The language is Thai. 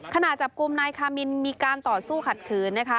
ขณะจับกลุ่มนายคามินมีการต่อสู้ขัดขืนนะคะ